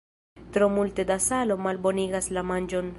Tro multe da salo malbonigas la manĝon.